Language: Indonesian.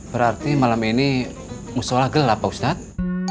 berarti malam ini musola gelap pak ustadz